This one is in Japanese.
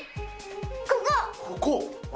ここ！